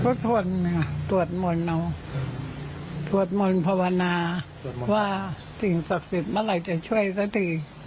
เพราะทนตรวจมนตร์เอาตรวจมนตร์ภาวนาว่าสิ่งศักดิ์สิทธิ์เมื่อไหร่จะช่วยซะดี